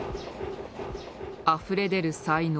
あふれ出る才能。